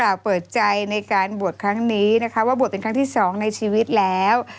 กล่าวเปิดใจในการบวชครั้งนี้ว่าบวชเป็นครั้งที่๒ในชีวิตแล้ว